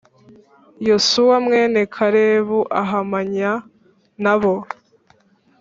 Yosuwa mwene karebu ahamanya nabo